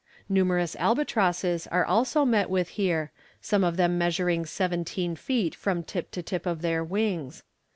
Numerous albatrosses are also met with here, some of them measuring seventeen feet from tip to tip of their wings.